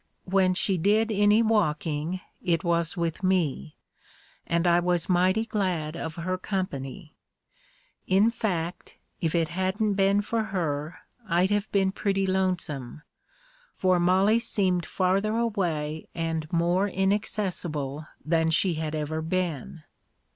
When she did any walking, it was with me, and I was mighty glad of her company. In fact, if it hadn't been for her, I'd have been pretty lonesome, for Mollie seemed farther away and more inacces sible than she had ever been.